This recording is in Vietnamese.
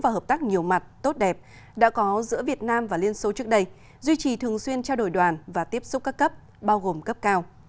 và hợp tác nhiều mặt tốt đẹp đã có giữa việt nam và liên xô trước đây duy trì thường xuyên trao đổi đoàn và tiếp xúc các cấp bao gồm cấp cao